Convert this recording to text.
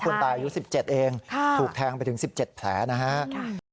คนตายอายุ๑๗เองถูกแทงไปถึง๑๗แผลนะครับ